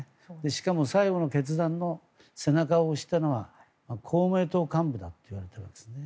しかも最後の決断の背中を押したのは公明党幹部だといわれているんです。